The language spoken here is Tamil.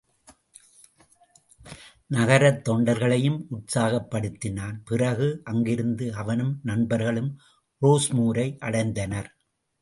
நகரத் தொண்டர்களையும் உற்சாகப்படுத்தினான் பிறகு அங்கிருந்து அவனும் நண்பர்களும் ரோஸ்மூரை அடைந்தனர்.